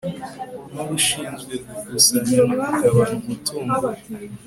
ni ushinzwe gukusanya no kugabana umutungo